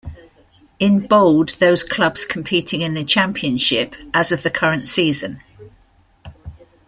In bold those clubs competing in the Championship as of the current season.